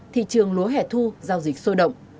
thị trường lúa hẻ thu giao dịch sôi động